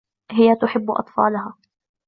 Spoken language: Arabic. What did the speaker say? هي تحبّ أطفالها.